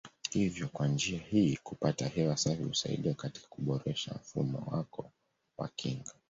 Hivyo kwa njia hii kupata hewa safi husaidia katika kuboresha mfumo wako wa kinga.